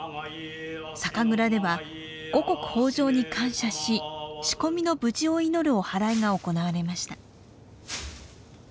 酒蔵では五穀豊じょうに感謝し仕込みの無事を祈るおはらいが行われました。